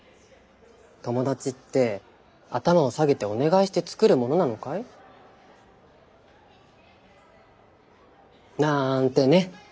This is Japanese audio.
友達って頭を下げてお願いして作るものなのかい？なんてね。